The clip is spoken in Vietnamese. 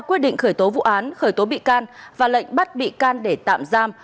quyết định khởi tố vụ án khởi tố bị can và lệnh bắt bị can để tạm giam